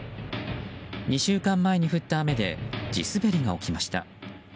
２週間前に降った雨で地滑りが起きました。